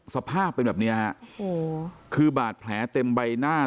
สภาพเป็นแบบเนี้ยฮะโอ้โหคือบาดแผลเต็มใบหน้า